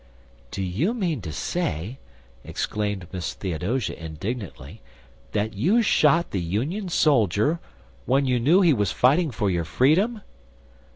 "Do you mean to say," exclaimed Miss Theodosia, indignantly, "that you shot the Union soldier, when you knew he was fighting for your freedom?"